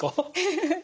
フフフ。